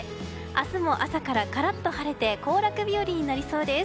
明日も朝からカラッと晴れて行楽日和になりそうです。